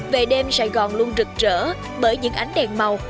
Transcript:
về đêm sài gòn luôn rực rỡ bởi những ánh đèn màu